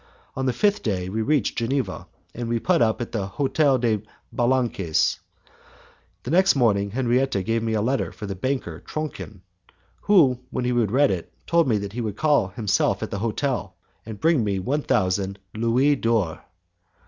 On the fifth day we reached Geneva, and we put up at the Hotel des Balances. The next morning, Henriette gave me a letter for the banker Tronchin, who, when he had read it, told me that he would call himself at the hotel, and bring me one thousand louis d'or.